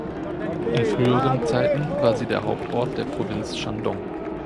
In früheren Zeiten war sie der Hauptort der Provinz Shandong.